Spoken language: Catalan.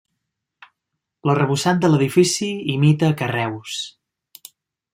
L'arrebossat de l'edifici imita carreus.